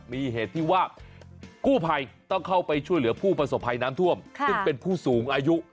มีเหตุที่ว่ากู้ภัยต้องเข้าไปช่วยเหลือผู้ประสบภัยน้ำท่วมซึ่งเป็นผู้สูงอายุ